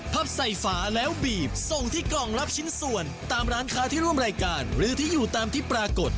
ใส่ฝาแล้วบีบส่งที่กล่องรับชิ้นส่วนตามร้านค้าที่ร่วมรายการหรือที่อยู่ตามที่ปรากฏ